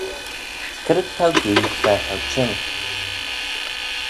C'red t'ou gee tra t'ou çhing?